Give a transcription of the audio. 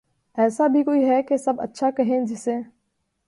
ایسا بھی کوئی ھے کہ سب اچھا کہیں جسے